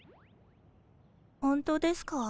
ほんとですか？